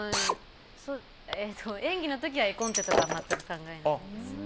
演技の時は絵コンテとかは全く考えないです。